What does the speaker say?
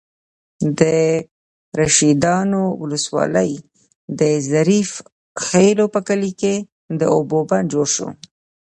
د رشيدانو ولسوالۍ، د ظریف خېلو په کلي کې د اوبو بند جوړ شو.